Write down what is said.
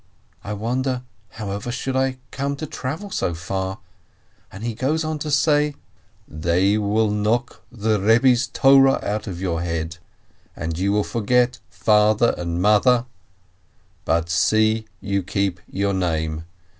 I wonder, however should I come to travel so far? And he goes on to say: "They will knock the Eebbe's Torah out of your head, and you will forget Father and Mother, but see you keep to your name!